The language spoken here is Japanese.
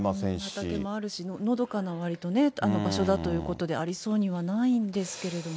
畑もあるし、のどかな、わりと場所だということで、ありそうにはないんですけれども。